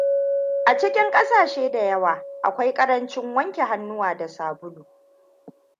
A cikin ƙasashe da yawa akwai ƙarancin wanke hannuwa da sabulu.